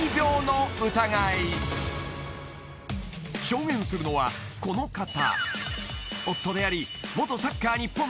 ［証言するのはこの方］